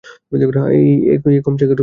অ্যাই, কম চেক করে দেখি।